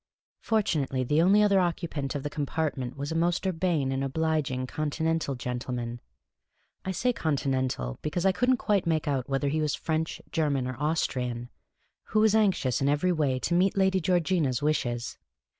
Fortunately, the only other occupant of the compartment was a most urbane and obliging Continental gentleman — I say Continental, because I could n't quite make out whether he was French, German, or Austrian — who was anxious in every way to meet Lady Georgina's wishes.